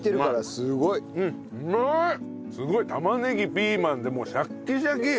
すごい玉ねぎピーマンでもうシャッキシャキ！